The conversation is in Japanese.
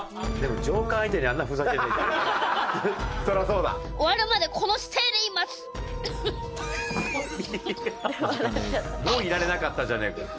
もういられなかったじゃねえかよ。